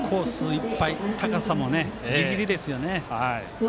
いっぱい高さもギリギリですよね。